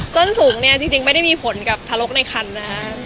ส้นสูงเนี่ยจริงไม่ได้มีผลกับทารกในคันนะฮะ